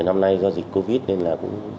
năm nay do dịch covid nên là